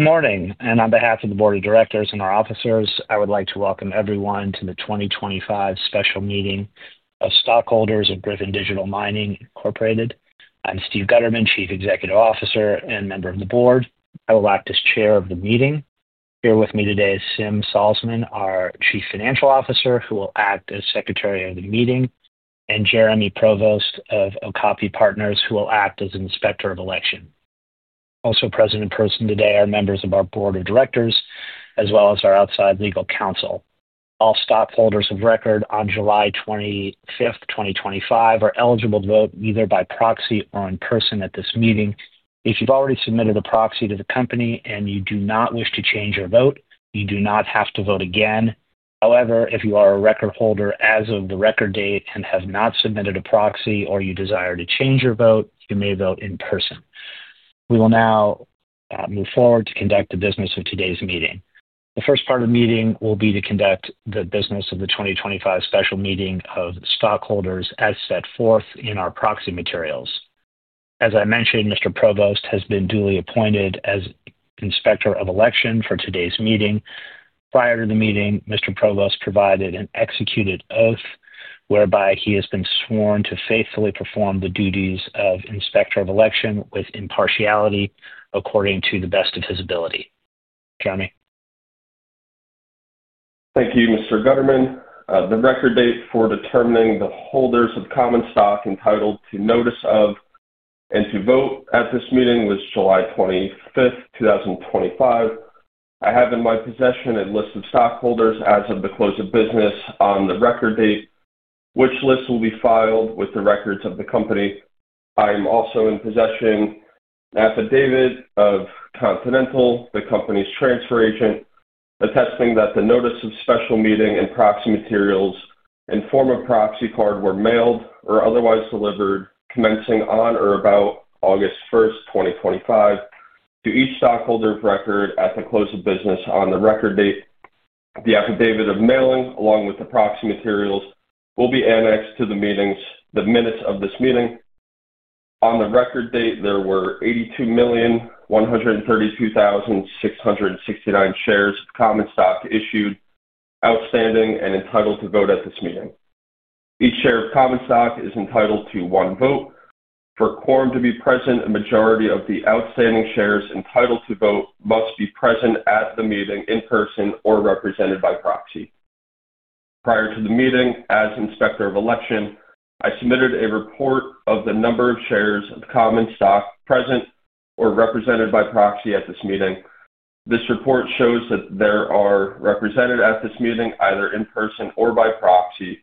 Good morning, and on behalf of the Board of Directors and our officers, I would like to welcome everyone to the 2025 Special Meeting of Stockholders of Gryphon Digital Mining Inc. I'm Steve Gutterman, Chief Executive Officer and member of the Board. I will act as Chair of the meeting. Here with me today is Sim Salzman, our Chief Financial Officer, who will act as Secretary of the meeting, and Jeremy Provost of Ocapi Partners, who will act as Inspector of Election. Also present in person today are members of our Board of Directors, as well as our outside legal counsel. All stockholders of record on July 25, 2025, are eligible to vote either by proxy or in person at this meeting. If you've already submitted a proxy to the company and you do not wish to change your vote, you do not have to vote again. However, if you are a record holder as of the record date and have not submitted a proxy or you desire to change your vote, you may vote in person. We will now move forward to conduct the business of today's meeting. The first part of the meeting will be to conduct the business of the 2025 special meeting of stockholders as set forth in our proxy materials. As I mentioned, Mr. Provost has been duly appointed as Inspector of Election for today's meeting. Prior to the meeting, Mr. Provost provided an executed oath whereby he has been sworn to faithfully perform the duties of Inspector of Election with impartiality according to the best of his ability. Jeremy. Thank you, Mr. Gutterman. The record date for determining the holders of common stock entitled to notice of and to vote at this meeting was July 25, 2025. I have in my possession a list of stockholders as of the close of business on the record date, which list will be filed with the records of the company. I am also in possession of an affidavit of Confidential, the company's transfer agent, attesting that the notice of special meeting and proxy materials in form of proxy card were mailed or otherwise delivered commencing on or about August 1, 2025, to each stockholder of record at the close of business on the record date. The affidavit of mailing, along with the proxy materials, will be annexed to the minutes of this meeting. On the record date, there were 82,132,669 shares of common stock issued, outstanding, and entitled to vote at this meeting. Each share of common stock is entitled to one vote. For quorum to be present, a majority of the outstanding shares entitled to vote must be present at the meeting in person or represented by proxy. Prior to the meeting, as Inspector of Election, I submitted a report of the number of shares of common stock present or represented by proxy at this meeting. This report shows that there are represented at this meeting, either in person or by proxy,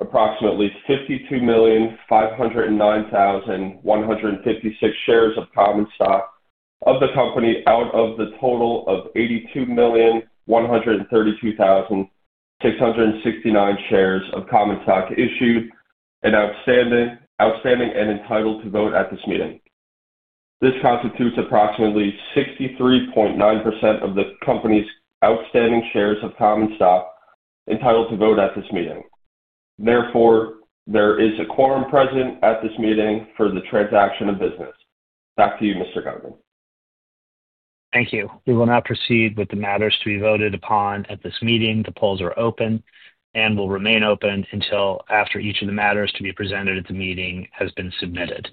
approximately 52,509,156 shares of common stock of the company out of the total of 82,132,669 shares of common stock issued and outstanding and entitled to vote at this meeting. This constitutes approximately 63.9% of the company's outstanding shares of common stock entitled to vote at this meeting. Therefore, there is a quorum present at this meeting for the transaction of business. Back to you, Mr. Gutterman. Thank you. We will now proceed with the matters to be voted upon at this meeting. The polls are open and will remain open until after each of the matters to be presented at the meeting has been submitted.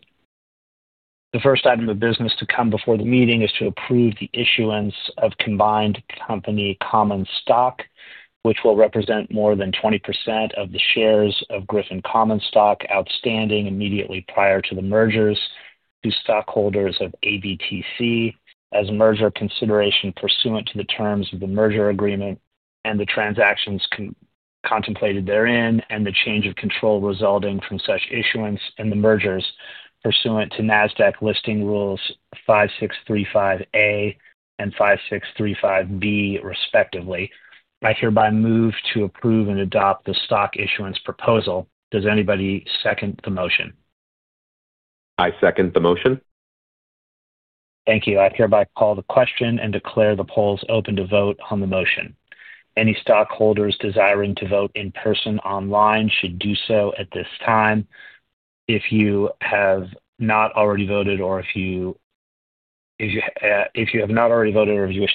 The first item of business to come before the meeting is to approve the issuance of combined company common stock, which will represent more than 20% of the shares of Gryphon Common Stock outstanding immediately prior to the mergers to stockholders of AVTC as merger consideration pursuant to the terms of the merger agreement and the transactions contemplated therein and the change of control resulting from such issuance and the mergers pursuant to NASDAQ listing rules 5635A and 5635B, respectively. I hereby move to approve and adopt the stock issuance proposal. Does anybody second the motion? I second the motion. Thank you. I hereby call the question and declare the polls open to vote on the motion. Any stockholders desiring to vote in person online should do so at this time. If you have not already voted or if you wish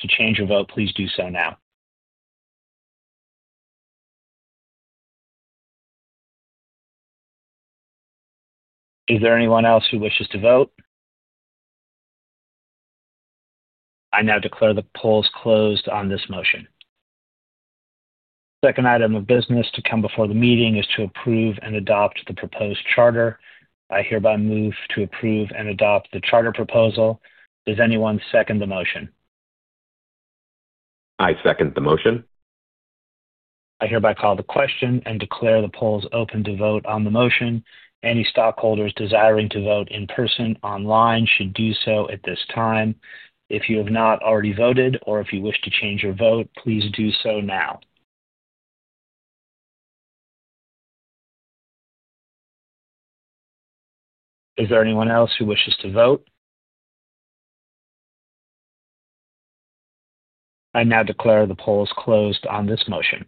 to change your vote, please do so now. Is there anyone else who wishes to vote? I now declare the polls closed on this motion. The second item of business to come before the meeting is to approve and adopt the proposed charter. I hereby move to approve and adopt the charter proposal. Does anyone second the motion? I second the motion. I hereby call the question and declare the polls open to vote on the motion. Any stockholders desiring to vote in person online should do so at this time. If you have not already voted or if you wish to change your vote, please do so now. Is there anyone else who wishes to vote? I now declare the polls closed on this motion.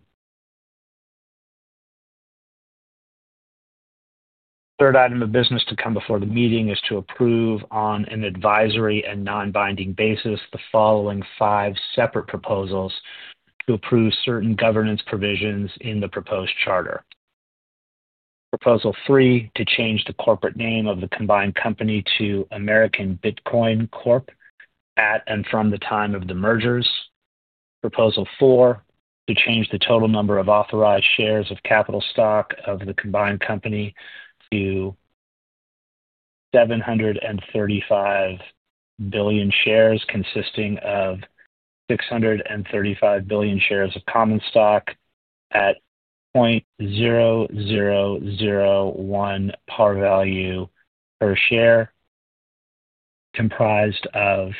The third item of business to come before the meeting is to approve on an advisory and non-binding basis the following five separate proposals to approve certain governance provisions in the proposed charter. Proposal three, to change the corporate name of the combined company to American Bitcoin Corp at and from the time of the mergers. Proposal four, to change the total number of authorized shares of capital stock of the combined company to 735 billion shares, consisting of 635 billion shares of common stock at $0.0001 par value per share, comprised of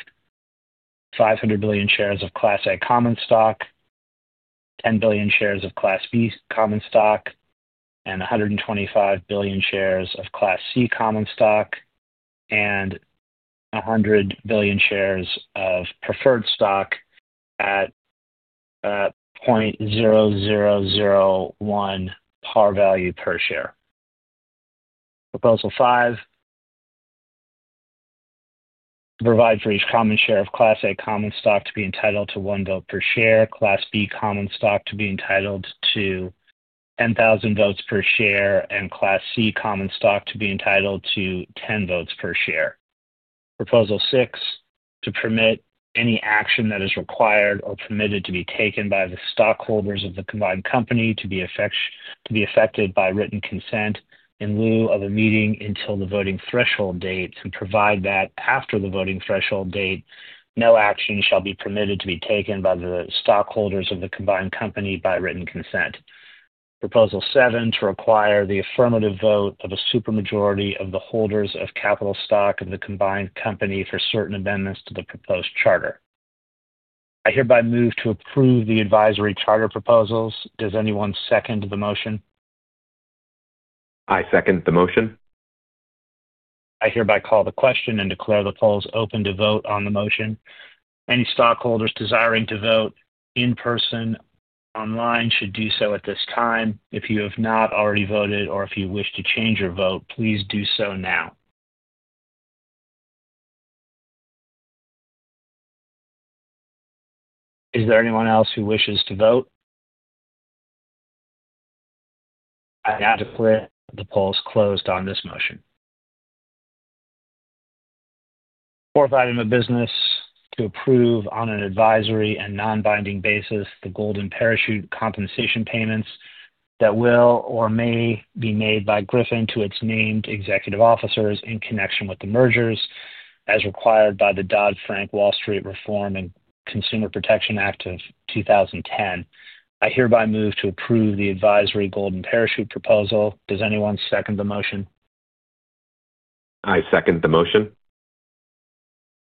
500 billion shares of Class A common stock, 10 billion shares of Class B common stock, and 125 billion shares of Class C common stock, and 100 billion shares of preferred stock at $0.0001 par value per share. Proposal five, to provide for each common share of Class A common stock to be entitled to one vote per share, Class B common stock to be entitled to 10,000 votes per share, and Class C common stock to be entitled to 10 votes per share. Proposal six, to permit any action that is required or permitted to be taken by the stockholders of the combined company to be effected by written consent in lieu of a meeting until the voting threshold date and provide that after the voting threshold date, no action shall be permitted to be taken by the stockholders of the combined company by written consent. Proposal seven, to require the affirmative vote of a supermajority of the holders of capital stock of the combined company for certain amendments to the proposed charter. I hereby move to approve the advisory charter proposals. Does anyone second the motion? I second the motion. I hereby call the question and declare the polls open to vote on the motion. Any stockholders desiring to vote in person online should do so at this time. If you have not already voted or if you wish to change your vote, please do so now. Is there anyone else who wishes to vote? I now declare the polls closed on this motion. The fourth item of business is to approve on an advisory and non-binding basis the golden parachute compensation payments that will or may be made by Gryphon to its named executive officers in connection with the mergers as required by the Dodd-Frank Wall Street Reform and Consumer Protection Act of 2010. I hereby move to approve the advisory golden parachute proposal. Does anyone second the motion? I second the motion.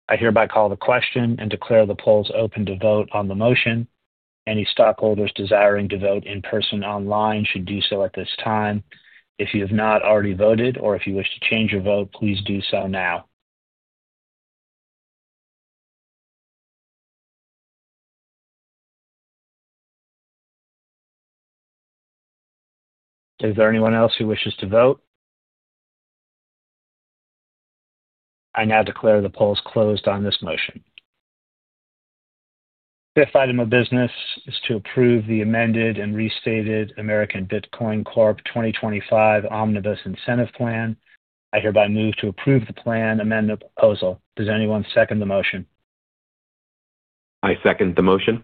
I hereby call the question and declare the polls open to vote on the motion. Any stockholders desiring to vote in person online should do so at this time. If you have not already voted or if you wish to change your vote, please do so now. Is there anyone else who wishes to vote? I now declare the polls closed on this motion. The fifth item of business is to approve the amended and restated American Bitcoin Corp 2025 Omnibus Incentive Plan. I hereby move to approve the plan amendment proposal. Does anyone second the motion? I second the motion.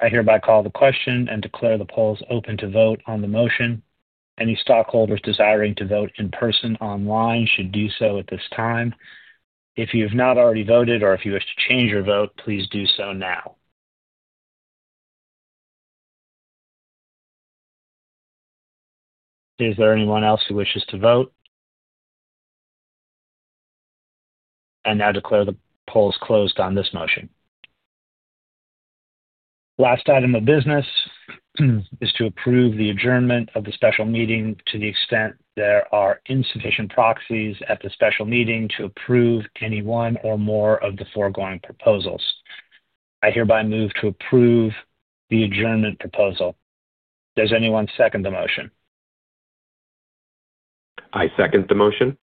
I hereby call the question and declare the polls open to vote on the motion. Any stockholders desiring to vote in person online should do so at this time. If you have not already voted or if you wish to change your vote, please do so now. Is there anyone else who wishes to vote? I now declare the polls closed on this motion. The last item of business is to approve the adjournment of the special meeting to the extent there are incitation proxies at the special meeting to approve any one or more of the foregoing proposals. I hereby move to approve the adjournment proposal. Does anyone second the motion? I second the motion.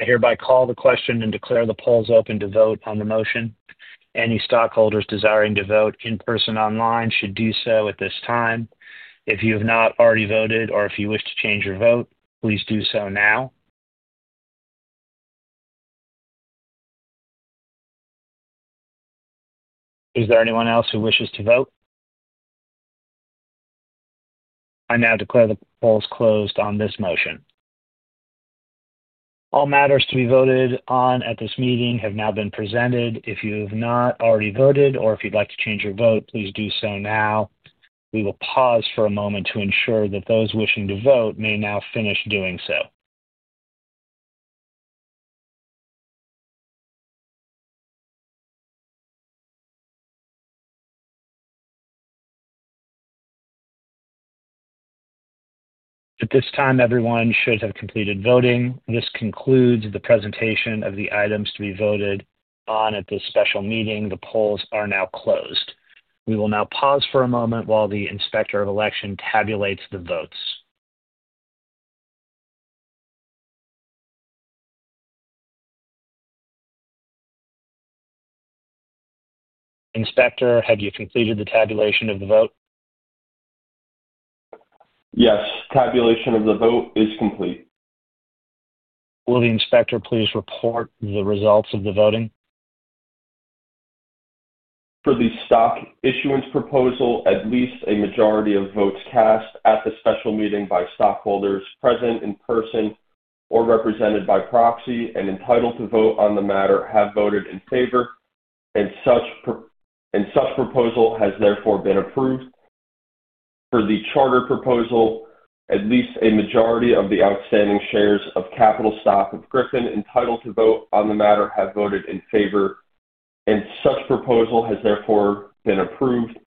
I hereby call the question and declare the polls open to vote on the motion. Any stockholders desiring to vote in person online should do so at this time. If you have not already voted or if you wish to change your vote, please do so now. Is there anyone else who wishes to vote? I now declare the polls closed on this motion. All matters to be voted on at this meeting have now been presented. If you have not already voted or if you'd like to change your vote, please do so now. We will pause for a moment to ensure that those wishing to vote may now finish doing so. At this time, everyone should have completed voting. This concludes the presentation of the items to be voted on at this special meeting. The polls are now closed. We will now pause for a moment while the Inspector of Election tabulates the votes. Inspector, have you completed the tabulation of the vote? Yes, tabulation of the vote is complete. Will the Inspector please report the results of the voting? For the stock issuance proposal, at least a majority of votes cast at the special meeting by stockholders present in person or represented by proxy and entitled to vote on the matter have voted in favor, and such proposal has therefore been approved. For the charter proposal, at least a majority of the outstanding shares of capital stock of Gryphon Digital Mining Inc. entitled to vote on the matter have voted in favor, and such proposal has therefore been approved.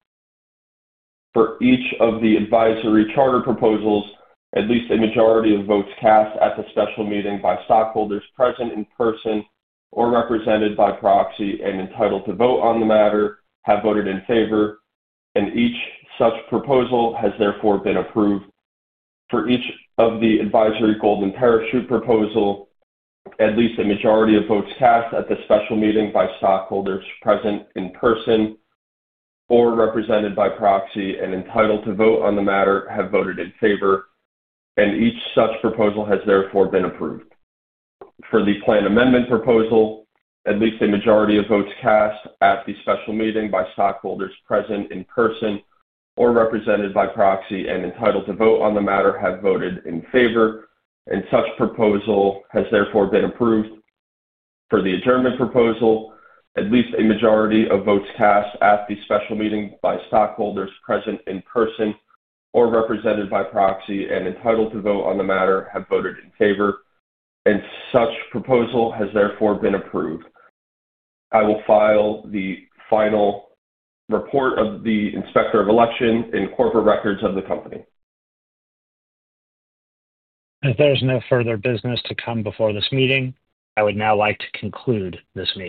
For each of the advisory charter proposals, at least a majority of votes cast at the special meeting by stockholders present in person or represented by proxy and entitled to vote on the matter have voted in favor, and each such proposal has therefore been approved. For each of the advisory golden parachute proposal, at least a majority of votes cast at the special meeting by stockholders present in person or represented by proxy and entitled to vote on the matter have voted in favor, and each such proposal has therefore been approved. For the plan amendment proposal, at least a majority of votes cast at the special meeting by stockholders present in person or represented by proxy and entitled to vote on the matter have voted in favor, and such proposal has therefore been approved. For the adjournment proposal, at least a majority of votes cast at the special meeting by stockholders present in person or represented by proxy and entitled to vote on the matter have voted in favor, and such proposal has therefore been approved. I will file the final report of the Inspector of Election in corporate records of the company. If there is no further business to come before this meeting, I would now like to conclude this meeting.